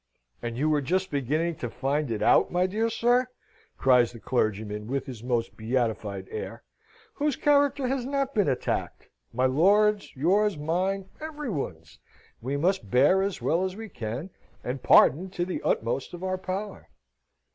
"And you are just beginning to find it out, my dear sir," cries the clergyman, with his most beatified air. "Whose character has not been attacked? My lord's, yours, mine, every one's. We must bear as well as we can, and pardon to the utmost of our power."